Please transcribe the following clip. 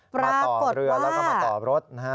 มาต่อเรือแล้วก็มาต่อรถนะฮะ